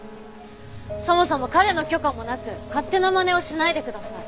そもそも彼の許可もなく勝手なまねをしないでください。